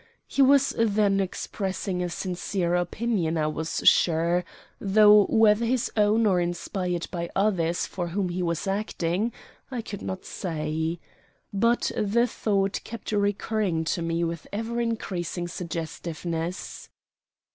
He was then expressing a sincere opinion, I was sure, though whether his own or inspired by others for whom he was acting I could not say. But the thought kept recurring to me with ever increasing suggestiveness.